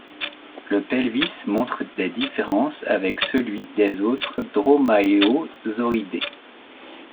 Le pelvis montre des différences avec celui des autres dromaeosauridés.